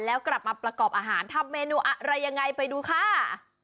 แล้วกลับมาประกอบอาหารทำเมนูอะไรยังไงไปดูค่ะ